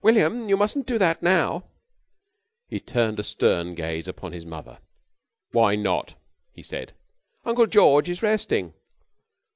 "William, you mustn't do that now." He turned a stern gaze upon his mother. "Why not?" he said. "Uncle George is resting."